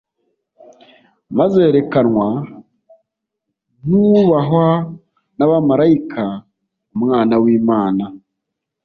maze yerekanwa nk’Uwubahwa n’abamarayika, Umwana w’Imana,